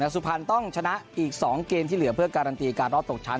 สุพรรณต้องชนะอีก๒เกมที่เหลือเพื่อการันตีการรอบตกชั้น